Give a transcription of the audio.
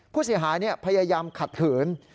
ผู้เสียหายพยายามขัดขืน